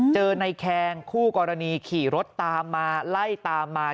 เจอในแคงคู่กรณีขี่รถตามมาไล่ตามมา